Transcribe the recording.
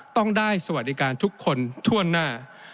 ต้องได้สวัสดิการทุกคนทั่วหน้า